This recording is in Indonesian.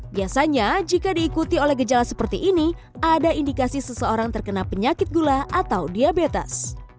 biasanya jika diikuti oleh gejala seperti ini ada indikasi seseorang terkena penyakit gula atau diabetes